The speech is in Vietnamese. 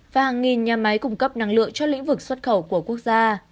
và hàng nghìn nhà máy cung cấp năng lượng cho lĩnh vực xuất khẩu của quốc gia